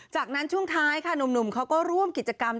จากนั้นช่วงท้ายค่ะหนุ่มเขาก็ร่วมกิจกรรม